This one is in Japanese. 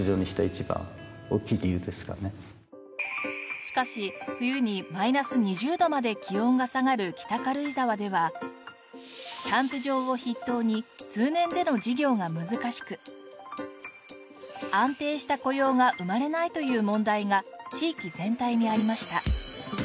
しかし冬にマイナス２０度まで気温が下がる北軽井沢ではキャンプ場を筆頭に通年での事業が難しく安定した雇用が生まれないという問題が地域全体にありました。